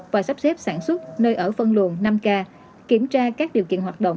và sắp xếp sản xuất nơi ở phân luồn năm k kiểm tra các điều kiện hoạt động